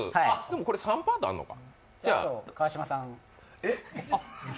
これ３パートあるのか。